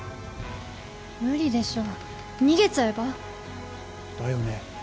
無理でしょ逃げちゃえば？